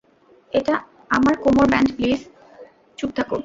এটা আমার কোমর ব্যান্ড প্লিজ, চুপ থাক।